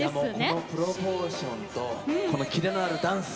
このプロポーションとこのキレのあるダンス。